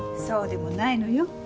そうでもないのよ。